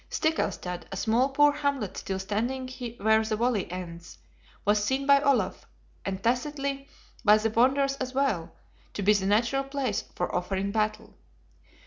Stickelstad, a small poor hamlet still standing where the valley ends, was seen by Olaf, and tacitly by the Bonders as well, to be the natural place for offering battle.